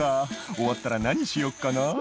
「終わったら何しようかな」